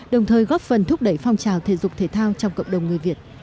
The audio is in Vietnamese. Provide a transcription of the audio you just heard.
đồng thời góp phần thúc đẩy phong trào thể dục thể thao trong cộng đồng người việt